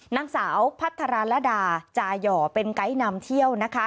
นางสาวพัทรดาจาย่อเป็นไกด์นำเที่ยวนะคะ